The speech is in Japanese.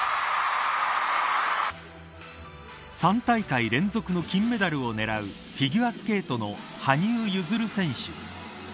３大会連続の金メダルを狙うフィギュアスケートの羽生結弦選手。